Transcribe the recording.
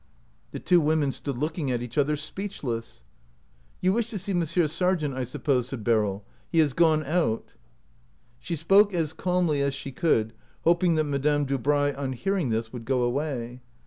The two women stood look ing at each other, speechless. "You wished to see Monsieur Sargent, I suppose?" said Beryl. "He has gone out." She spoke as calmly as she could, hoping that Madame Dubray on hearing this would go away.